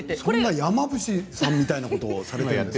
そんな山伏さんみたいなことをされて？